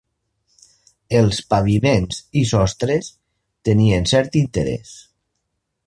Els paviments i sostres tenien cert interès.